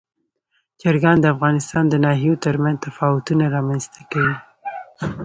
چرګان د افغانستان د ناحیو ترمنځ تفاوتونه رامنځ ته کوي.